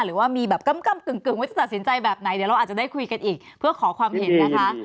หรือว่ามีแบบกำกึ่งว่าจะตัดสินใจแบบไหนเดี๋ยวเราอาจจะได้คุยกันอีกเพื่อขอความเห็นนะคะ